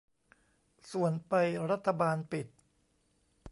ส่วนไปรัฐบาลปิด